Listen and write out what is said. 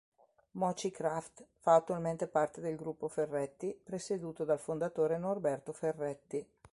Mochi Craft fa attualmente parte del Gruppo Ferretti, presieduto dal fondatore Norberto Ferretti.